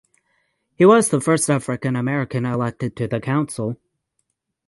He was the first African American elected to the council.